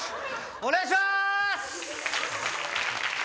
お願いします！